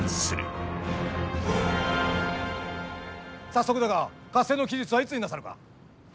早速だが合戦の期日はいつになさるか。